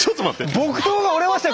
木刀が折れましたよ